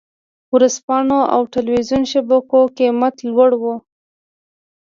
ورځپاڼو او ټلویزیون شبکو قېمت لوړ و.